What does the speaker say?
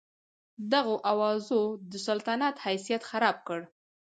دغو اوازو د سلطنت حیثیت خراب کړ.